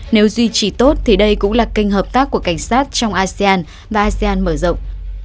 nếu duy trì tốt thì đây cũng là kênh hợp tác của cảnh sát trong asean và asean mở rộng